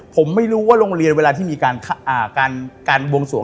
ผมไม่รู้ว่าโรงเรียนเวลาที่มีการบวงสวง